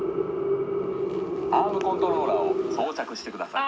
アームコントローラーを装着してください